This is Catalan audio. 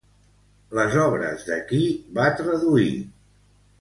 Les obres de qui va traduir?